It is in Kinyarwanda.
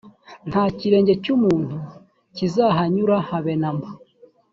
nta kirenge cy’ umuntu kizahanyura habe namba.